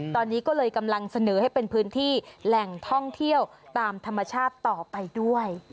ตอนนี้ก็เลยกำลังเสนอให้เป็นพื้นที่แหล่งท่องเที่ยวตามธรรมชาติต่อไปด้วย